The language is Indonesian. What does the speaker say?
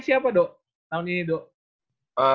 siapa do tahun ini do